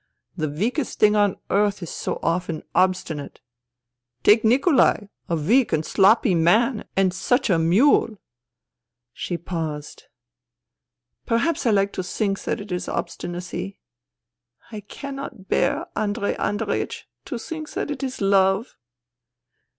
The weakest thing on earth is so often obstinate. Take Nikolai. A weak and sloppy man, and such a mule !" She paused. " Perhaps I like to think that it is obstinacy. I cannot bear, Andrei Andreiech, to think that it is love.